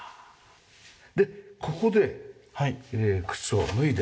でここで靴を脱いで。